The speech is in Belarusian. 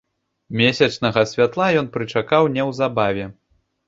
Месячнага святла ён прычакаў неўзабаве.